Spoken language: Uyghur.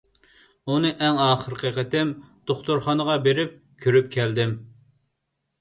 ئۇنى ئەڭ ئاخىرقى قېتىم دوختۇرخانىغا بېرىپ كۆرۈپ كەلدىم.